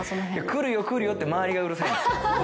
くるよくるよって周りがうるさいんですよね。